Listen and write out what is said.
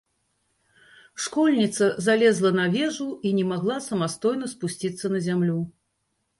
Школьніца залезла на вежу і не магла самастойна спусціцца на зямлю.